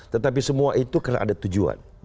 tetapi semua itu karena ada tujuan